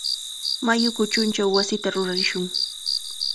Mayu kuchunchaw wasita rurarishun.